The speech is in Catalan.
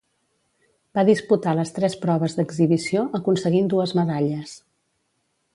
Va disputar les tres proves d'exhibició aconseguint dues medalles.